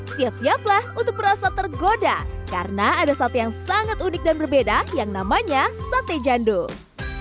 siap siaplah untuk merasa tergoda karena ada sate yang sangat unik dan berbeda yang namanya sate jandung